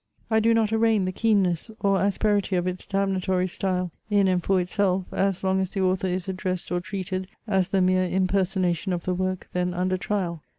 I do not arraign the keenness, or asperity of its damnatory style, in and for itself, as long as the author is addressed or treated as the mere impersonation of the work then under trial.